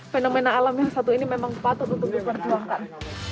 fenomena alam yang satu ini memang patut untuk diperjuangkan